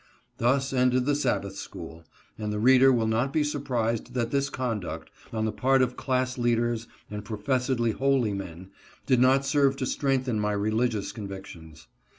Thus ended the Sabbath school ; and the reader will not be surprised that this conduct, on the part of class leaders and professedly holy men, did not serve to strengthen my religious convictions.